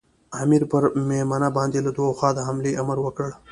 امیر پر مېمنه باندې له دوو خواوو د حملې امر وکړ.